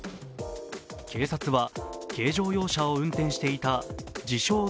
警察は軽乗用車を運転していた自称